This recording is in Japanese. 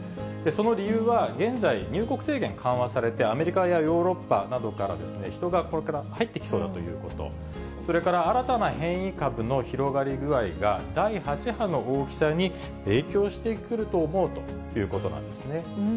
その理由は、現在、入国制限緩和されて、アメリカやヨーロッパなどから人がこれから入ってきそうだということ、それから新たな変異株の広がり具合が、第８波の大きさに影響してくると思うということなんですね。